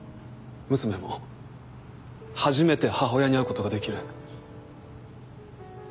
娘も初めて母親に会うことができる。